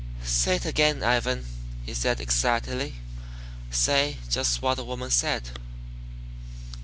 "Say it again, Ivan," she said excitedly. "Say just what the woman said."